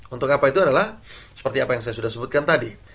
untuk apa itu adalah seperti apa yang saya sudah sebutkan tadi